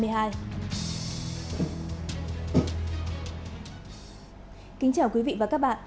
xin chào quý vị và các bạn